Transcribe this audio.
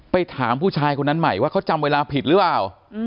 ไปถามผู้ชายคนนั้นใหม่ว่าเขาจำเวลาผิดหรือเปล่า